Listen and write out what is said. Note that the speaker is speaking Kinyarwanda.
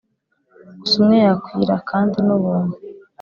gusa umwe yakwira, kandi nubuntu.